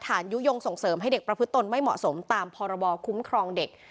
ยุโยงส่งเสริมให้เด็กประพฤติตนไม่เหมาะสมตามพรบคุ้มครองเด็ก